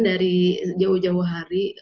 dari jauh jauh hari